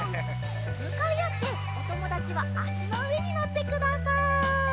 むかいあっておともだちはあしのうえにのってください。